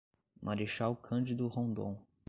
Marechal Cândido Rondon